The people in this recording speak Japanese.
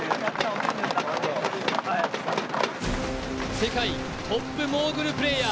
世界トップモーグルプレーヤー。